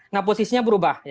nah posisinya berubah